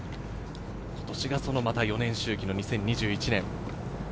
今年がその４年周期の２０２１年。